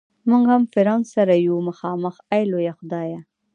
مونږ هم فرعون سره یو مخامخ ای لویه خدایه.